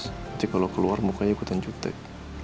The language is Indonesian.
nanti kalau keluar mukanya ikutan juptek